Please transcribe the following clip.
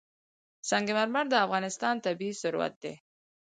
سنگ مرمر د افغانستان طبعي ثروت دی.